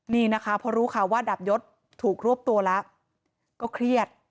นี่นะคะพอรู้ข่าวว่าดาบยศถูกรวบตัวแล้วก็เครียด